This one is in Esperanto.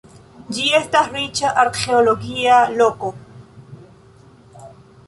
Ĝi estas riĉa arĥeologia loko.